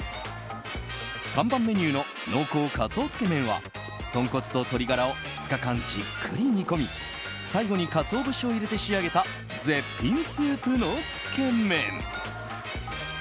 看板メニューの濃厚鰹つけ麺は豚骨と鶏ガラを２日間、じっくり煮込み最後にカツオ節を入れて仕上げた絶品スープのつけ麺。